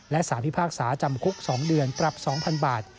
และสารพิพากษาจำคุก๒เดือนปรับ๒๐๐๐บาท